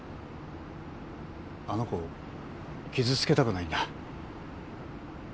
あの子を傷つけたくないんだ。